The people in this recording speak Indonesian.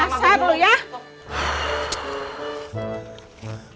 jasar lu ya